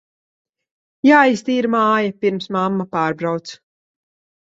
Jāiztīra māja, pirms mamma pārbrauc.